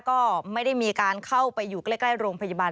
ก็ไม่ได้มีการเข้าไปอยู่ใกล้โรงพยาบาล